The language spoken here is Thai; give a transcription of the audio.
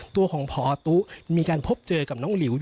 ตัวของพอตุ๊มีการพบเจอกับน้องหลิว